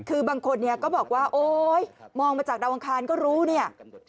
คือบางคนเนี่ยก็บอกว่าโอ๊ยมองมาจากดาวอังคารก็รู้เนี่ย